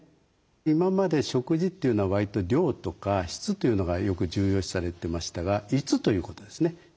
今まで食事というのはわりと量とか質というのがよく重要視されてましたが「いつ」ということですね。